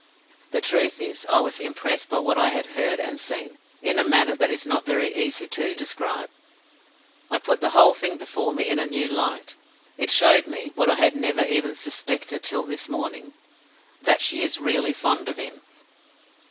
The truth is, I was impressed by what I had heard and seen, in a manner that it is not very easy to describe. It put the whole thing before me in a new light. It showed me what I had never even suspected till this morning that she is really fond of him.